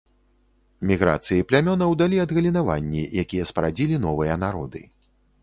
Міграцыі плямёнаў далі адгалінаванні, якія спарадзілі новыя народы.